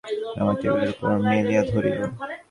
বহু সযত্নে ভাঁজ খুলিয়া দুই হস্তে আমার টেবিলের উপর মেলিয়া ধরিল।